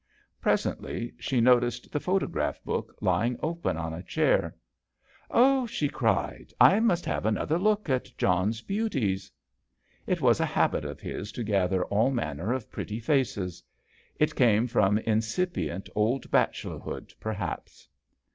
Presently she noticed the JOHN SHERMAN. 79 photograph book lying open on a chair. " Oh !" she cried, " I must have another look at John's beauties." It was a habit of his to gather all manner of pretty faces. It came from incipient old bachelor hood, perhaps.